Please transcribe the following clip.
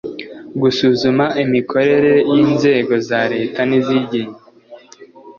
Gusuzuma imikorere y inzego za Leta n izigenga